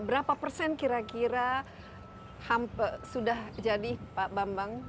berapa persen kira kira sudah jadi pak bambang